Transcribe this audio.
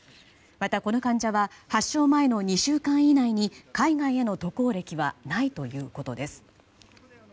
また、この患者は発症前の２週間以内に海外への渡航歴はないということです。